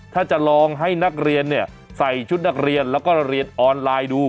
ถ้าจะลองให้นักเรียนใส่ชุดนักเรียนแล้วก็เรียนออนไลน์ดู